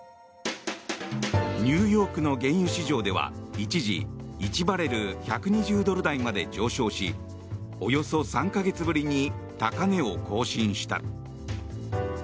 ニューヨークの原油市場では一時１バレル＝１２０ドル台まで上昇しおよそ３か月ぶりに高値を更新した。